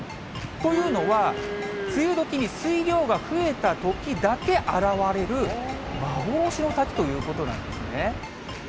というのは、梅雨どきに水量が増えたときだけ現れる幻の滝ということなんですね。